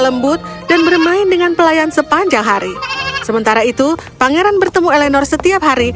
lembut dan bermain dengan pelayan sepanjang hari sementara itu pangeran bertemu eleanor setiap hari